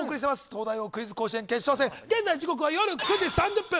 「東大王クイズ甲子園決勝戦」現在時刻は夜９時３０分。